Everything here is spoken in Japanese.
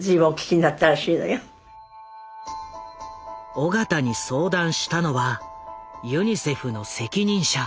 緒方に相談したのはユニセフの責任者。